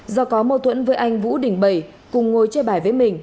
do có mâu thuẫn với anh vũ đình bảy cùng ngồi chơi bài với mình